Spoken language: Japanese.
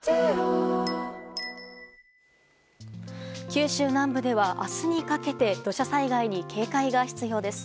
九州南部では明日にかけて土砂災害に警戒が必要です。